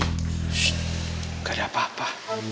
shh nggak ada apa apa